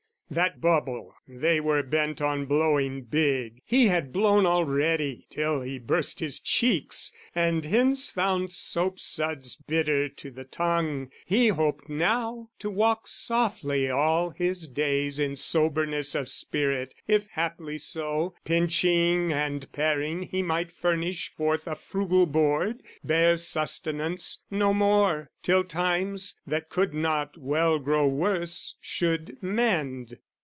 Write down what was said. That bubble, they were bent on blowing big, He had blown already till he burst his cheeks, And hence found soapsuds bitter to the tongue, He hoped now to walk softly all his days In soberness of spirit, if haply so, Pinching and paring he might furnish forth A frugal board, bare sustenance, no more, Till times, that could not well grow worse, should mend.